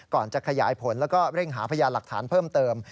ก่อนจะขยายผลแล้วก็เร่งหาพยานหลักฐานเพิ่มเติม